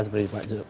seperti pak jk tadi